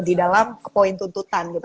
di dalam poin tuntutan gitu